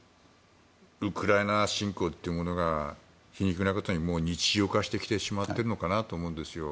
ウクライナ侵攻というものが皮肉なことに日常化してきてしまっているのかなと思うんです。